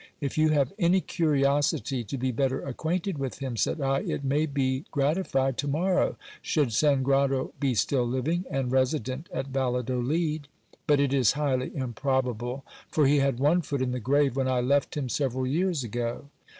If you have any curiosity to be better acquainted with him, said I, it may be gra tified to morrow, should Sangrado be still living, and resident at Valladolid : but it is highly improbable ; for he had one foot in the grave when I left him several years ago.